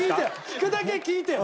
聞くだけ聞いてよ。